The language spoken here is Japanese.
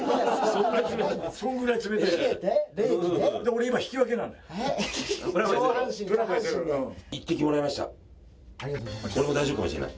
俺も大丈夫かもしれない。